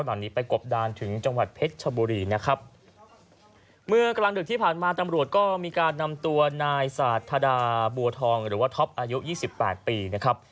หลังนี้ไปกบดานถึงจังหวัดเพชรชบุรีนะครับเมื่อกลางดึกที่ผ่านมาตำรวจก็มีการนำตัวนายสาธาดาบัวทองหรือว่าท็อปอายุยี่สิบแปดปีนะครับ